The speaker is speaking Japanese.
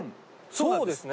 そうですね。